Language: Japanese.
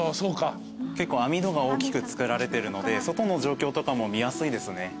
結構網戸が大きく作られてるので外の状況とかも見やすいですね。